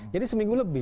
jadi seminggu lebih